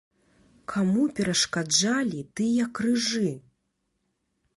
Каму перашкаджалі тыя крыжы?